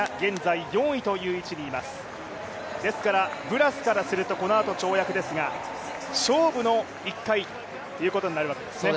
ブラスからすると、このあと跳躍ですが勝負の１回ということになるわけですね。